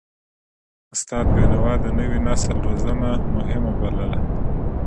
استاد بینوا د نوي نسل روزنه مهمه بلله.